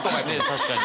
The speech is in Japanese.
確かに。